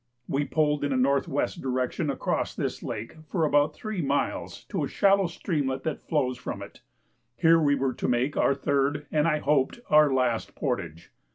We pulled in a N.W. direction across this lake for about three miles to a shallow streamlet that flows from it; here we were to make our third and I hoped our last portage.